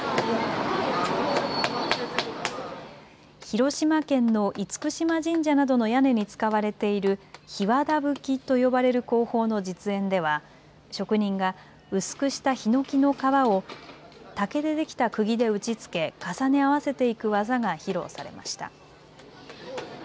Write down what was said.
広島県の厳島神社などの屋根に使われている、ひわだぶきと呼ばれる工法の実演では職人が薄くしたひのきの皮を竹でできたくぎで打ちつけ重ね合わせていく技が披露されました。